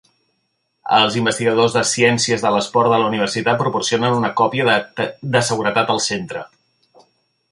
Els investigadors de ciències de l'esport de la universitat proporcionen una còpia de seguretat al centre.